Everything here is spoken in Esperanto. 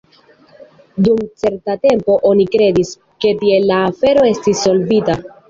Dum certa tempo oni kredis, ke tiel la afero estis solvita.